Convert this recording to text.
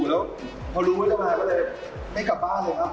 ชืนกลับมาก็เลยไม่กลับบ้านเลยค่ะ